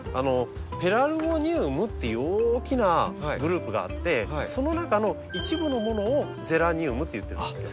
ペラルゴニウムっていう大きなグループがあってその中の一部のものを「ゼラニウム」って言ってるんですよ。